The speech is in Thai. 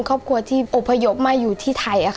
ครอบครัวที่อบพยพมาอยู่ที่ไทย